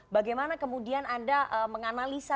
bagaimana kemudian anda menganalisa